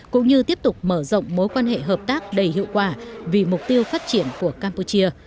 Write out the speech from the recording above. cũng như tiếp tục mở rộng mối quan hệ hợp tác đầy hiệu quả vì mục tiêu phát triển của campuchia